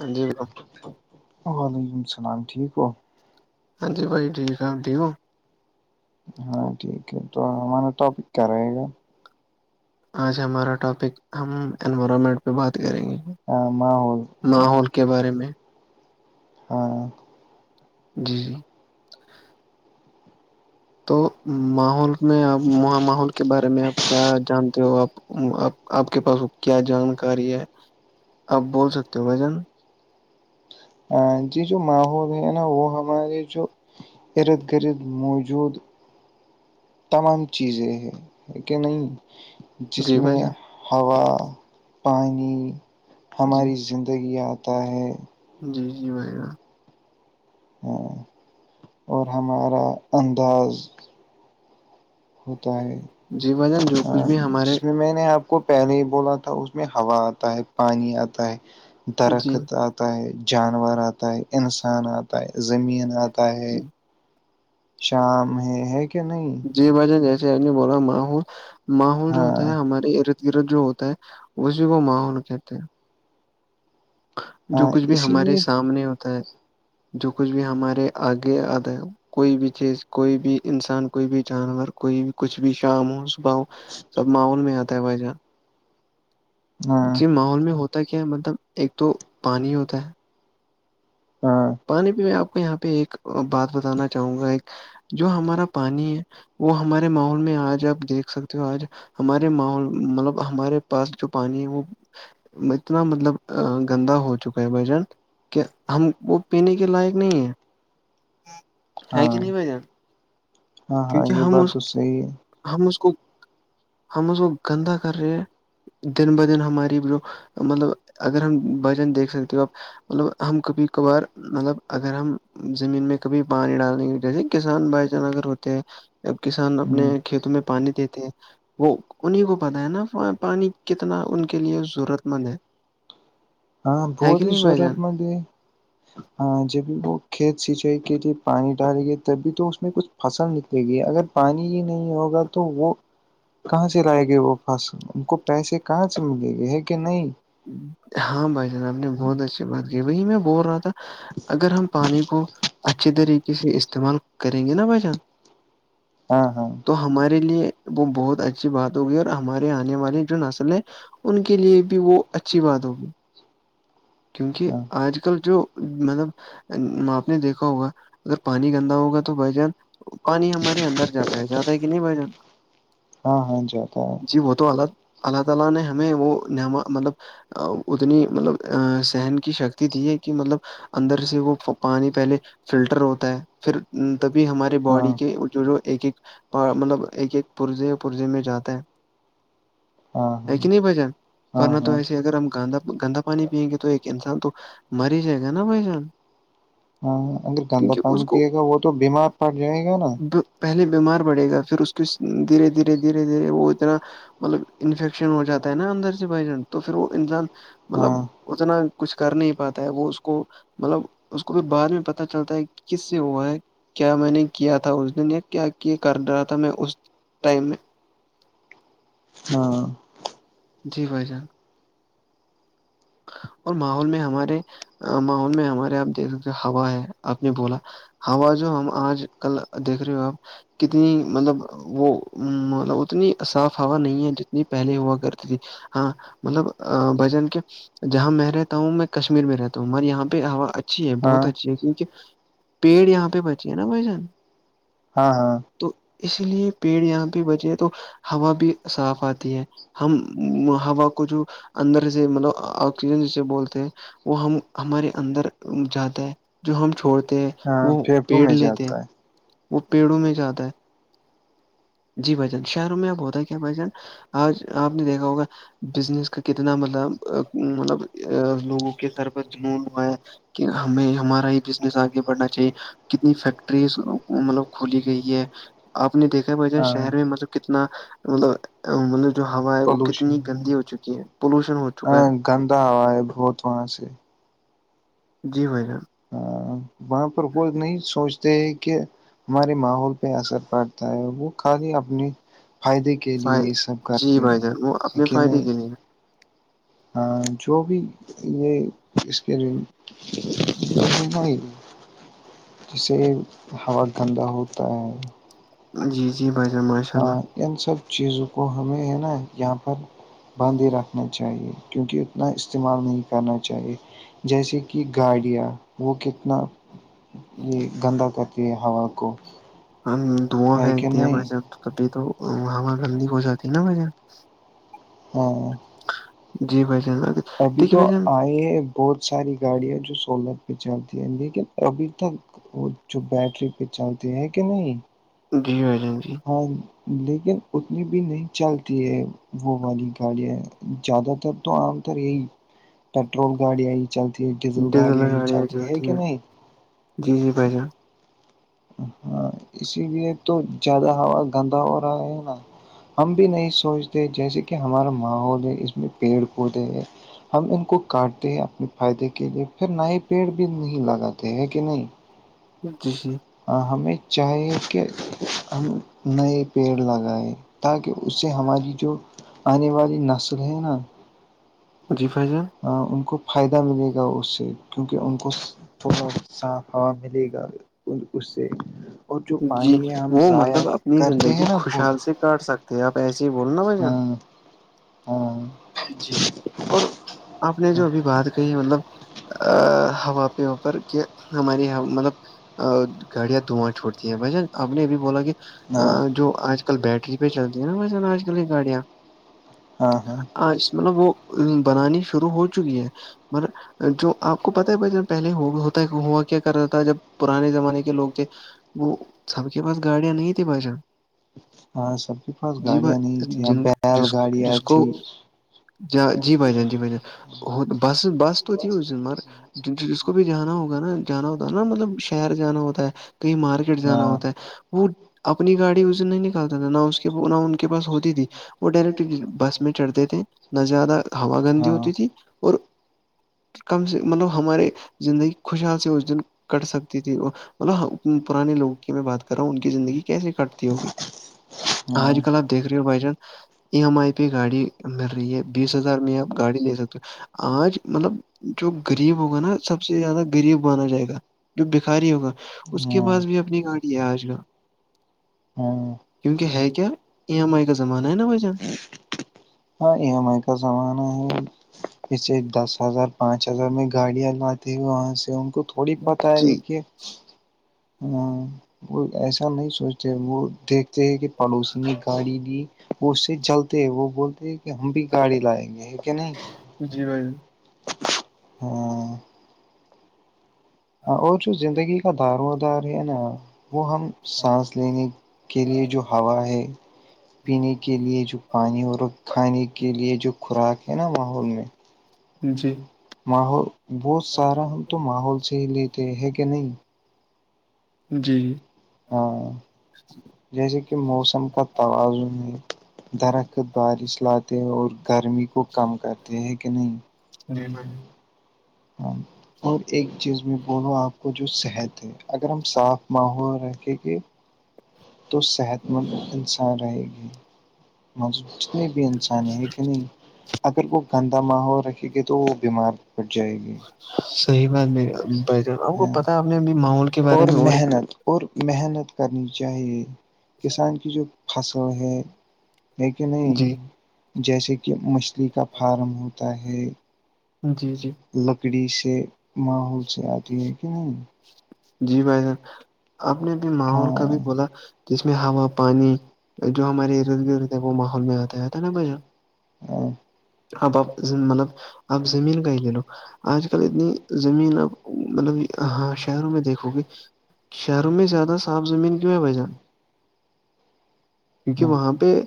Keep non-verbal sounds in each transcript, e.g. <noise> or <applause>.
ہاں جی وعلیکم السلام ٹھیک ا ہاں ج بھائی ٹھیک ہےپ ڈیو ہاں ٹھیک ہے تو ہمارا ٹاپک کیا رہے گا آج ہمارا ٹاپک ہم انوائرمنٹ پہ بات کریں گے ہاں محول بارے میں ہاں جی جی تو ماحول میں آپ وہاں ماحول کے بارے میں آپ کیا جانتے ہو آپ آ آپ کے پاس کیا جانکاری ہے آپ بول سکتے ہو بھجن ہ جی جو ماحول ہے نا وہ ہمارے جو ارد گرد موجود تمام چیزیں ہیں کہ نہیں جس میں ہوا پانی ہماری زندگی آتا ہے جی جی بھائی ج ہ اور ہمارا انداز ہوتا ہے جس میں میں نے آپ کو پہلے ہی بولا تھا اس میں ہوا آتا ہے پانی آتا ہے درخت آتا ہے جانور آتا ہے انسان آتا ہے زمین آتا ہے جی بجن جیسے نے بلا محول ماحول جو ہوتا ہے ہمارے ارد گرد جو ہوتا ہے اسی وہ ماحول کہتے ہیں جو کچھ بھی ہمارے سامنے ہوتا ہے جو کچھ بھی ہمارے آگے آد کوئی بھی چیز کوئی بھی انسان کوئی بھی جانور کوئی بھی کچھ بھی شام ہو صبح ہو سب ماحول میں آتا ہے بھائی جان جی ماحول میں ہوتا کیا ہے مطلب ایک تو پانی ہوتا ہے ہاں پانی پہ میں آپ کو یہاں پہ ایک بات بتانا چاہوں گا ایک جو ہمارا پانی ہے وہ ہمارے ماحول میں آج آپ دیکھ سکتے ہو آج ہمارے ماحول مطلب ہمارے پاس جو پانی ہے وہ اتنا مطلب گندا ہو چکا ہے بھجن کیا ہم وہ پینے کے لائق نہیں ہیں ہے کہ نہیں بھائی جان کیونکہ ہم اس ہم اس کو ہم اس کو گندہ کر رہے ہیں دن بہ دن ہماری جو مطلب اگر ہم بھجن دیکھ سکتے ہو آپ مطلب ہم کبھی کبھار مطلب اگر ہم زمین میں کبھی پانی ڈالیں گ جیسے کسان بائی چانس اگر ہوتے ہیں ج کسان اپنے کھیتوں میں پانی دیتےی کہ وہ انہیں کو پتاہ ہے نا پانی کتنا ان کے لیے ضرورت مند ہے ہاں بود ہی سورپ م ہاں ج بھی وہ کت سچائی کے تے پانی ڈالیں گی تبھی تو اس میں کچھ فصل نکلے گی اگر پانی ہی نہیں ہوگا تو وہ کہاں سے لائے گی وہ فصل ان کو پیسے کہاں سے ملے گی ہے کہ نہیں ہوں ہاں بھائی جان آپ نے بہت بات وہی میں بول رہا تھا اگر ہم پانی کو اچھے طریقے سے استعمال کریں گے نا بچن تو ہمارے لیے وہ بہت اچھا اچھی بات ہوگی اور ہمارے آنے والی جو نسل ہے ان کے لیے بھی وہ اچھی بات ہوگی کیونکہ آج کل جو مطلب آپ نے دیکھا ہوگا اگر پانی گندا ہوگا تو بھائی جان پانی ہمارے اندر جاتا ہے جاتا ہے کہ نہیں بھائی جان ہاں ہاں جاتا ہے <inaudible> ا سحن کی شکتی تھی ہے کہ مطلب اندر سے وہ پانی پہلے فلٹر ہوتا ہے پھر تبھی ہمارے باڈی کے جو جو ایک ایک مطلب ایک ایک پرزے پرزے میں جاتا ہے ہے کہ نہیں بجن ورنہ تو ایسے اگر اگر ہم گا گندا پانی پیئیں گے تو ایک انسان تو مر ہی جائے گا نا بھائی جان ہاں اگر گندا پانی پیے گا وہ تو بیمار پڑ جائے گا نا پہلے بیمار پڑے گا پھر اس کی دھیرے دھیرے دھیرے دھیرے وہ انا مطلب انفیکشن ہو جاتا ہے نا اندر سے بائی جان تو پھر وہ انسان مطلب اتنا کچھ کر نہیں پاتا ہے وہ اس کو مطلب اس کو بھی بعد میں پتا چلتا ہے کس سے ہوا ہے کیا میں نے کیا تھا اس دن یا کیا کیا کر رہا تھا میں اس ٹائم میں ہاں جی بھائی جان اور ماحول میں ہمارے ماحول میں ہمارے آپ دیکھ سکتے ہوا ہے آپ نے بولا ہوا جو ہم آج کل دیکھ رہے ہو آپ کتنی مطلب وہ مطلب اتنی صاف ہوا نہیں ہے جتنی پہلے ہوا کرتی تھی ہاں مطلب بھائی جان کے جہاں میں رہتا ہوں میں کشمیر میں رہتا ہوں مارے یہاں پہ ہوا اچھی ہے بہت اچھی ہے کیون کہ پیڑ یہاں پہ بچیے ہے نا بھائی جان ہاں ہاں تو اس لیے پیڑ یہاں پہ بچے تو ہوا بھی صاف آتی ہے ہم ہوا کو جو اندر سے مطلب آکسیجن جسے بولتے ہیں وہ ہم ہمارے اندر جاتا ہے جو ہم چھوڑ وہ پیڑ لیتے ہیں وہ پیڑوں میں جاتا ہے جی بھائی جان شہروں میں اب ہوتا ہے کیا بھائی جان آج آپ نے دیکھا ہوگا بزنس کا کتنا مطلب مطلب لوگوں کے سر پر لون ہوا ہے کہ ہمیں ہمارا ہی بزنس آگے بڑھنا چاہیے کتنی فیکٹریز مطلب کھولی گئی ہے آپ نے دیکھا شہر میں مطلب کتنا مطلب مطلب جو ہوا ہے وہ کتنی گندی ہو چکی ہے پولوشن ہو چکا ہے گندا ہوا ہے بہت وہاں سے جی بھائی جان ہاں وہاں پر وہ نہیں سوچتے ہیں کہ ہمارے ماحول پہ اثر پڑتا ہے وہ خالی اپنی فائدے کے لیے یہ سب کرتے ہیں لیک نہیں جو بھی یہ اس کے <inaudible> گندا ہوتا ہے جی جی بھائی جان ماشاء اللہ ان سب چیزوں کو ہمیں ہے نا یہاں پر بانھد ہی رکھنا چاہیے کیونکہ اتنا استعمال نہیں کرنا چاہیے جیسے کہ گاڑیاں وہ کتنا یہ گندا کرتی ہے ہوا کو ہم دھواں پھینکتی ہیں بھن تبھی تو ہوا گندی ہو جاتی ہے نا بھن ہاں ابھی تو آئے بہت ساری گاڑیاں جو سولر پہ چلتی ہیں لیکن ابھی تک جو بیٹری پہ چلتے ہیں کہ نہیں ہاں لیکن اتنی بھی نہیں چلتی ہے وہ والی گاڑیاں زیادہ تر تو عام تر یہی پیٹرول گاڑیاں ہی چلتی ہے ڈیزل گاڑیاں ہی چلتی ہے کہ نہیں ہاں اسی لیے تو زیادہ ہوا گندا ہو رہا ہے نا ہم بھی نہیں سوچتے جیسے کہ ہمارا ماحول ہے اس میں پیڑ پودے ہے ہم ان کو کاٹتے ہیں اپنے فائدے کے لیے پھر نئے پیڑ بھی نہیں لگاتے ہیں کہ نہیں جی جی ہمیں چاہیے کہ ہم نئے پیڑ لگائیں تاکہ اس سے ہماری جو آنے والی نسل ہے نا جی بھائی جان ان کو فائدہ ملے گا اس سے کیونکہ ان کو تھوڑا صاف ہوا ملے گا اس سے جی وہ مطلب اپنی زندگی خوشحال سے کاٹ سکتے ہیں آپ ایسے جی بولنا بھائی جان ہاں جی اور آپ نے جو ابھی بات کہی مطلب ا ہوا پہ اوپر کہ ہمارے یہاں مطلب گاڑیاں دواں چھوٹ ویسن آب نے یہب بھی بولا کہ جو آج کل بیٹری پہ چلتی ہے نا ویسے آج کل کی گاڑیاں اس مطلب وہ بنانی شروع ہو چکی ہے مگر جو آپ کو پتا ہے بھائی ج پہلے ہوتا ہوا کیا کر رہا تھا جب پرانے زمانے کے لوگ تھے وہ سب کے پاس گاڑیاں نہیں تھی بچان ہاں سب کے پاس گاڑیاں نہیں تھیں بیل گاڑیاں تھی جاں جی بائیان جی بائیان ہوت بس بس توو ہیی زین مگر جس کو بھی جانا ہوگا نا جانا ہوتا ہے نا مطلب شہر جانا ہوتا ہے کہیں مارکیٹ جانا ہوتا ہے وہ اپنی گاڑی اسے نہیں نکالتا تھا نہ اس نہ ان کے پاس ہوتی تھی وہ ڈائریکٹ بس میں چڑھتے تھے نہ زیادہ ہوا گندی ہوتی تھی اور کم سے مطلب ہمارے زندگی خوشحال سے اس دن کٹ سکتی تھی مطلب پرانے لوگ کی میں بات کر رہا ہوں ان کی زندگی کیسے کٹتی ہوگی آج کل آب دیکھ رہی ہو بھائی جان ای ایم آئی پہ گاڑی مل رہی ہے بیس ہزار میں آپ گاڑی لے سکتے ہو آج مطلب جو غریب ہوگا نا سب سے زیادہ غریب مانا جائے گا جو بکھاری ہوگا اس کے پعس بھی اپنی گاڑی آج گا ہاں ہاں ای ایم آئی کا زمانہ ہے جسے دس ہزار پانچ ہزار میں گاڑیاں ل وہاں سے ان کو تھوڑی پتہ ہے کہ وہ ایسا نہیں سوچتے وہ دیکھتے ہیں کہ پڑوسی نے گاڑی دی وہ اس سے جلتے وہ بولتے کہ ہم بھی گاڑی لائیں گے ہے کیا نہیں جی بھائی ہ اور جو زندگی کا دار و دار ہے نا وہ ہم سانس لینے کے لیے جو ہوا ہے پینے کے لیے جو پانی اور کھانے کے لیے جو خوراک ہے نا ماحول میں <inaudible> ماحول بہت سارا ہم تو ماحول سےحی لیتے ہے کہ نہیں ہاں جیسے کہ موسم کا توازن ہے درخت بارش لاتے ہیں اور گرمی کو کم کرتے ہیں کہ نہیں جی بھائیی ہاں اور ایک چیز میں بولو آپ کو جو صحت ہے اگر ہم صاف ماحول رکھیں گے تو صحت مند انسان رہے گی م جتنے بھی انسانی ہے کہ نہیں اگر وہ گندا ماحول رکھے گی تو وہ بیمار پڑ جائے گی صحیح بات ب جان آپ کو پتا آپ نے ابھی ماحول کے بارے میں اور ایک اور محنت کرنی چاہیے کسان کی جو فصل ہے ہے کہ نہیں جیسے کہ مچھلی کا فارم ہوتا ہے جی جی لکڑی سے ماحول سے آتی ہے کہ نہیں جی بھائی جان آپ نے بھی ماور کا بھی بولا جس میں ہوا پانی جو ہمارے ا روز گرز ہے وہ ماحول میں آتا آتا ہے نا بجن ہاں اب آپ مطلب آپ زمین کا ہی لے لو آج کل اتنی زمین آپ مطلب ہاں شہروں میں دیکھو گے شہروں میں زیادہ صاف زمین کیوں ہے وجن کیونکہ وہاں پہ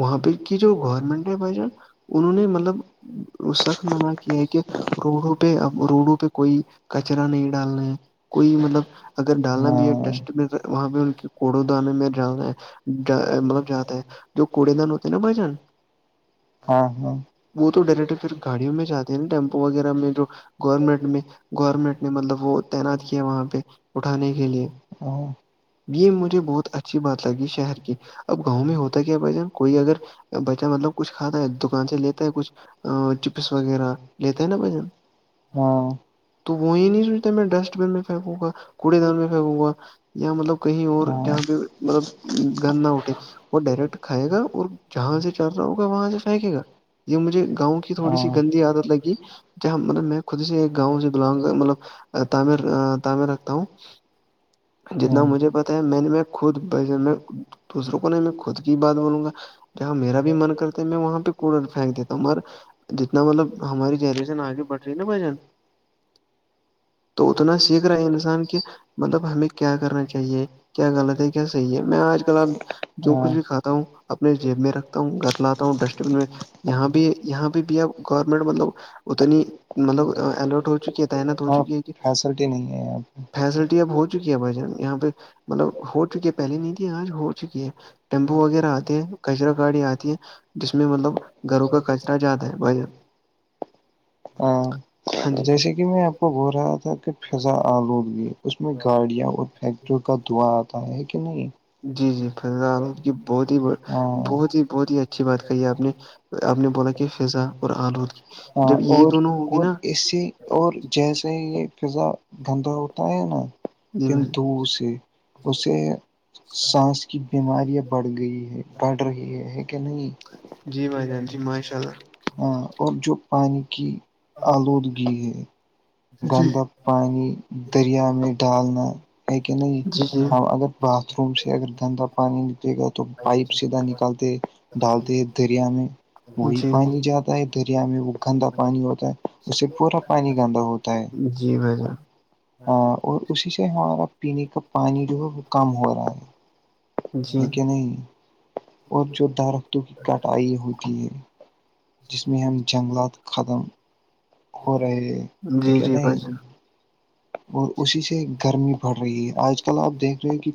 وہاں پہ کی جو گورنمنٹ ہے بھائی جان انہوں نے مطلب اس وخت منع کیا ہے کہ روڈوں پہ اب روڈوں پہ کوئی کچرا نہیں ڈالنا ہے کوئی مطلب اگر ڈالنا بھی ہے ڈسٹ میں وہاں پہ ان کے کوڑوں د آاننے میں ڈالنا ہے ج مطلب جاتا ہے جو کوڑے دان ہوتے ہیں نا بھ جان ہاں ہاں وہ تو ڈائریکٹ پھر گاڑیوں میں جاتے نا ٹیمپو وغیرہ میں جو گورنمنٹ میں گورنمنٹ نے مطلب وہ تعینات کیا وہاں پہ اٹھانے کے لیئے یہ مجھے بہت اچھی بات لگی شہر کی اب گاؤں میں ہوتا کیا بھ جان کوئی اگر بچہ مطلب کچھ کھا ہے دکان سے لیتا ہے کچھ چپس وغیرہ لیتا ہے نا ہاں تو وہی نہیں سوچتے میں ڈسٹ بین میں پھینکوں گا کوڑے دان میں پھینکوں گا یا مطلب کہیں اور جہاں پہ مطلب گند نہ اٹھے وہ ڈائریکٹ کھائے گا اور جہاں سے چل رہا ہوگا وہاں سے پھینکے گا یہ مجھے گاؤں کی تھوڑی سی گندی عادت لگی مطلب میں خود سے گاؤں سے بلانگ مطلب تعمیر تعمیر رکھتا ہوں جتنا مجھے پتاہ ہے میں نے میں خود دوسروں کو نہیں میں خود کی بات بولوں گا جہاں میرا بھی من کرتا تو میں وہاں پہ کوڑر پھینک دیتا ہوں مگر جتنا مطلب ہماری جہری سےن آگے بڑھ رہی نا بھجن تو اتنا سیکھ رہا ہے انسان کہ مطلب ہمیں کیا کرنا چاہیے کیا غلط ہے کیا صحیح ہے میں آج کل آپ جو کچھ بھی کاتا ہوں اپنے جیب میں رکھتا ہوں گھر لاتا ہوں ڈسٹبین میں یہاں بھی یہاں بھی ب گورمنٹ مطلب اتنی مطلب الرٹ ہو چکی ہے تعحینت ہو چکی ہے فیسلٹی ہے بہت چکی ہے بجن یہاں پہ مطلب ہو چکی پہلے نہیں تھی آج ہو چکی ہے ٹیمپو وغیرہ آتے ہے کچرا گاڑی آتی ہے ہاں جیسے کہ میں آپ کو بول رہا تھا کہ فضا آلوٹ بھی اس میں گاڑیاں اور فٹ جو کا دھواں آتا ہے کہ نہیں جی جی فی الحال ان کی بہت ہی بہت ہی بہت ہی اچھی بات کہی ہے آپ نے آپ نے بولا کہ فضا اور آلود جب یہ دونوں ہوں گے نا اور جیسے ہی یہ ضا گندا ہوتا ہے نا انندو سے اسے سانس کی بیماریاں بڑھ گئی ہے بڑھ رہی ہے ہے کہ نہیں ہاں اور جو پانی کی آلودگی ہے گندا پانی دریا میں ڈالنا ہے کہ نہیں ہم اگر باتھ روم سے اگر دندا نکے گا تو پائپ سیدھا نکالتے ڈالتے ہیں دریا میں وہی پانی جو د، یا میں گندا پانی ہوتا ہے اس سے پورا پانی گندا ہوتا ہے ہاں اور اسی سے ہمارا پینے کا پانی جو ہے وہ کم ہو رہا ہے ہے کہ نہیں اور جو درختوں کی کٹائی ہوتی ہے جس میں ہم جنگلات ختم ہو رہے ہے کیا نہیں اور اسی سے گرمی بڑھ رہی ہے آج کل آپ دیکھ رہے ہو کہ